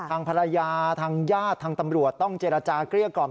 ทางภรรยาทางญาติทางตำรวจต้องเจรจาเกลี้ยกล่อม